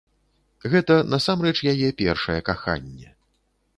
Гэта насамрэч яе першае каханне.